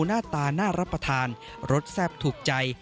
หน้าตาน่ารับประทานรสแซ่บถูกใจ